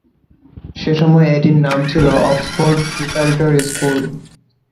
সেসময় এটির নাম ছিল অক্সফোর্ড প্রিপারেটরি স্কুল।